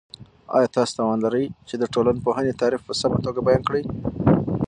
آیا تاسو توان لرئ چې د ټولنپوهنې تعریف په سمه توګه بیان کړئ؟